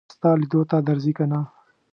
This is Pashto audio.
ستا لیدو ته درځي که نه.